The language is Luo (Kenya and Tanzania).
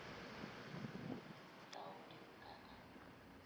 Taonde kaka